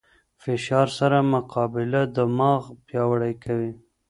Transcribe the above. فشار سره مقابله دماغ پیاوړی کوي.